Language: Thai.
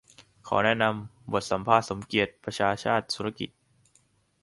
ขอแนะนำบทสัมภาษณ์สมเกียรติ ประชาชาติธุรกิจ